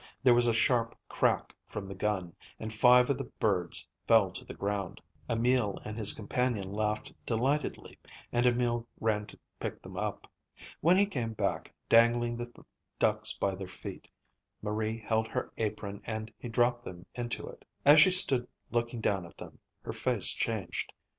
There was a sharp crack from the gun, and five of the birds fell to the ground. Emil and his companion laughed delightedly, and Emil ran to pick them up. When he came back, dangling the ducks by their feet, Marie held her apron and he dropped them into it. As she stood looking down at them, her face changed.